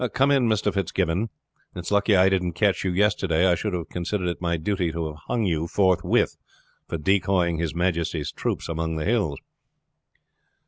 Come in, Mr. Fitzgibbon. It's lucky I didn't catch you yesterday, or I should have considered it my duty to have hung you forthwith for decoying his majesty's troops among the hills."